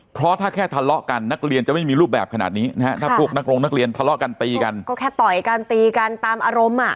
เพราะถ้าแค่ทะเลาะกันนักเรียนจะไม่มีรูปแบบขนาดนี้นะฮะถ้าพวกนักโรงนักเรียนทะเลาะกันตีกันก็แค่ต่อยกันตีกันตามอารมณ์อ่ะ